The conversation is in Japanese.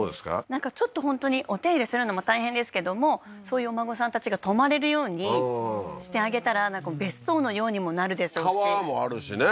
なんかちょっと本当にお手入れするのも大変ですけどもそういうお孫さんたちが泊まれるようにしてあげたら別荘のようにもなるでしょうし川もあるしね